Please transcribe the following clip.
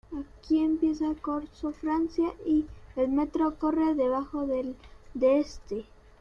Aquí empieza Corso Francia y el metro corre debajo de este.